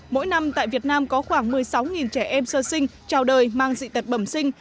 mỗi năm tại việt nam có khoảng một mươi sáu trẻ em sơ sinh trào đời mang dị tật bẩm sinh